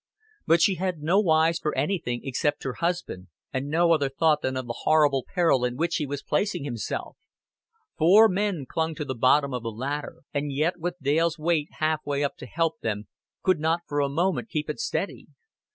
But she had no eyes for anything except her husband, and no other thought than of the horrible peril in which he was placing himself. Four men clung to the bottom of the ladder, and yet, with Dale's weight half way up to help them, could not for a moment keep it steady.